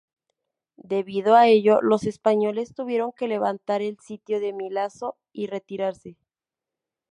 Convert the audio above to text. Debido a ello, los españoles tuvieron que levantar el sitio de Milazzo y retirarse.